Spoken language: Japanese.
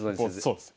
そうです。